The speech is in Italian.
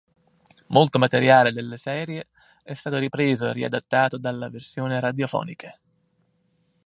Molto materiale delle serie è stato ripreso e riadattato dalla versione radiofonica.